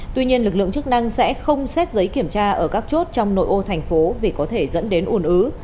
tuy nhiên lực lượng chức năng sẽ không xét giấy kiểm tra ở các chốt trong nội ô thành phố vì có thể dẫn đến ủn ứ